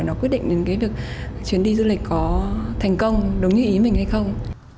nó quyết định đến cái việc chuyến đi du lịch có thành công đúng như ý mình hay không